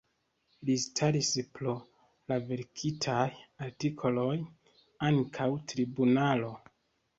Li staris pro la verkitaj artikoloj antaŭ tribunalo.